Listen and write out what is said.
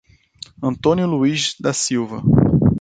Antônio Luiz da Silva